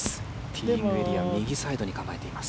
ティーイングエリア右サイドに構えています。